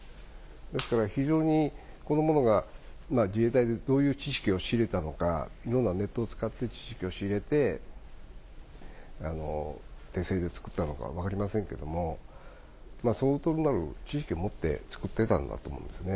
ですから、非常にこのものが自衛隊でどういう知識を仕入れたのか、ネットを使って知識を仕入れて、手製で作ったのか分かりませんけれども、相当なる知識を持って作ってたんだと思うんですね。